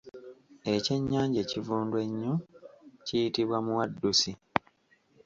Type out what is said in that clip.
Ekyennyanja ekivundu ennyo kiyitibwa Muwaddusi.